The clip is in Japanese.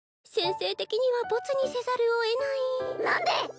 先生的には没にせざるを得ない何で！？